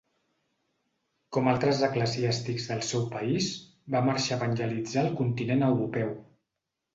Com altres eclesiàstics del seu país, va marxar a evangelitzar el continent europeu.